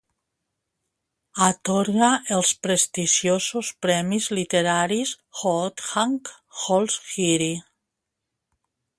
Atorga els prestigiosos premis literaris Hooshang Golshiri.